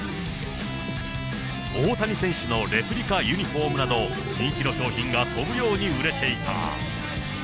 大谷選手のレプリカユニホームなど、人気の商品が飛ぶように売れていた。